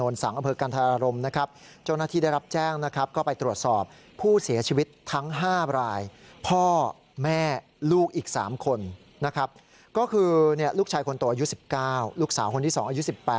ก็คือลูกชายคนโตอายุ๑๙ลูกสาวคนที่๒อายุ๑๘